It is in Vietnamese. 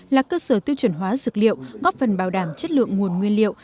là cơ sở tiêu chuẩn hóa dược liệu góp phần bảo đảm chất lượng nguồn nguyên liệu